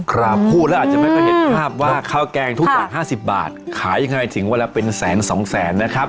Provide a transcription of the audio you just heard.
ครับพูดแล้วอาจจะไม่ค่อยเห็นภาพว่าข้าวแกงทุกบาท๕๐บาทขายยังไงถึงเวลาเป็นแสนสองแสนนะครับ